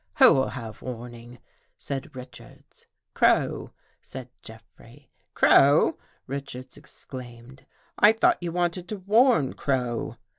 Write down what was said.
"Who'll have warning?" said Richards. " Crow," said Jeffrey. " Crow !" Richards exclaimed. " I thought you wanted to warn Crow?"